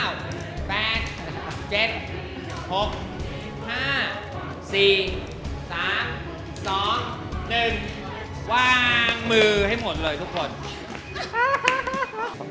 วางมือให้หมดเลยทุกคน